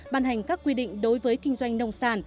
ban hành các quy định đối với kinh doanh nông sản